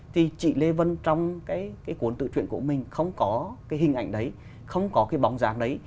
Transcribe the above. thì chị lê vân trong cái cuốn tự chuyển của mình không có cái hình ảnh đấy không có cái bóng dáng đấy